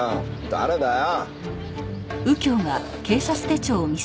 誰だよ？